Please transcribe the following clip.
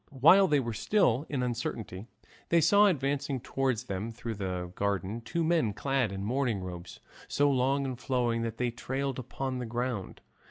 While they were still in uncertainty they saw advancing towards them through the garden two men clad in mourning robes so long and flowing that they trailed upon the ground.